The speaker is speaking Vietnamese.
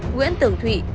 nguyễn tưởng thụy